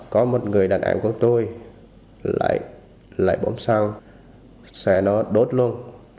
có một người đàn em của tôi lại bỏ xăng xe nó đốt luôn